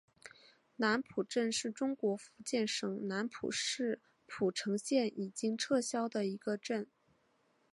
南浦镇是中国福建省南平市浦城县已经撤销的一个镇。